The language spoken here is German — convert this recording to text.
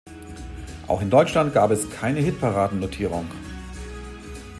Auch in Deutschland gab es keine Hitparaden-Notierung.